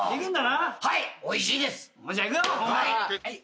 はい。